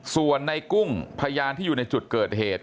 ส่วนในกุ้งพยานที่อยู่ในจุดเกิดเหตุ